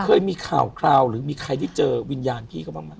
เคยมีข่าวหรือมีใครได้เจอวิญญาณพี่เขาบาง